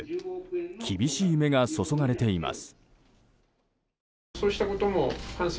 厳しい目が注がれています。